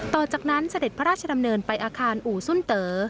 ต่อจากนั้นเสด็จพระราชดำเนินไปอาคารอู่ซุ่นเต๋อ